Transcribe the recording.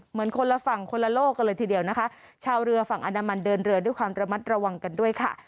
เหมือนคนละฝั่งคนละโลกกันเลยทีเดียวนะคะชาวเรือฝั่งอนามันเดินเรือด้วยความระมัดระวังกันด้วยค่ะ